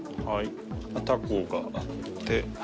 タコがあって。